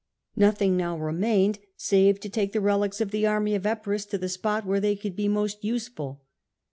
Nothing now remained save to take the relics of the army of Epirus to the spot where they could be most useful.